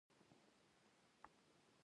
• لمر د موسم بدلون سره تړلی دی.